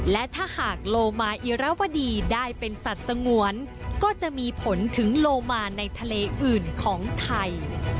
และถ้าหากโลมาอิรวดีได้เป็นสัตว์สงวนก็จะมีผลถึงโลมาในทะเลอื่นของไทย